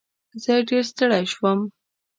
نن ډېر ستړی شوم.